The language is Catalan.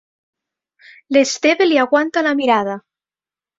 L'Esteve li aguanta la mirada.